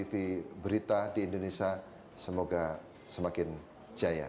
dari mana anda sekarang